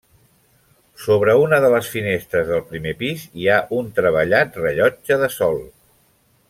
Sobre una de les finestres del primer pis hi ha un treballat rellotge de sol.